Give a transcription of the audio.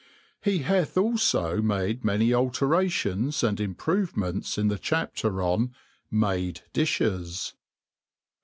He hath alfo made many alterations and improvements in the Chapter on Made Difties.